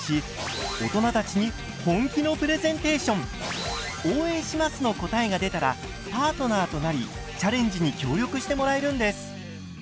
番組では「応援します」の答えが出たらパートナーとなりチャレンジに協力してもらえるんです。